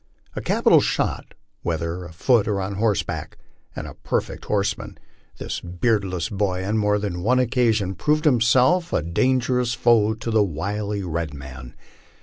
A capital shot whether afoot or on horseback, and a perfect horseman, this beard less boy on more than one occasion proved himself a dangerous foe to the wily red man.